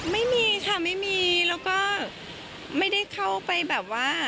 ไม่มีค่ะไม่มีแล้วก็ไม่ได้เข้าไปแบบว่า